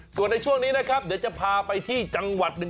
ส่วนในช่วงนี้นะครับเดี๋ยวจะพาไปที่จังหวัดหนึ่ง